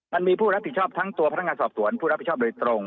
ผู้รับผิดชอบทั้งตัวพนักงานสอบสวนผู้รับผิดชอบโดยตรง